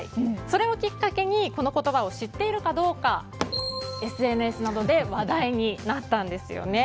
それをきっかけに、この言葉を知っているかどうかＳＮＳなどで話題になったんです。